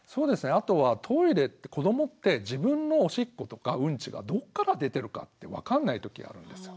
あとはトイレって子どもって自分のおしっことかうんちがどっこから出てるかって分かんない時があるんですよ。